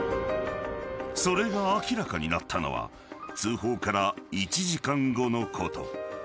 ［それが明らかになったのは通報から１時間後のこと］